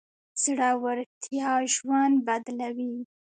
زړورتيا ژوند بدلوي.